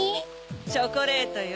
チョコレートよ。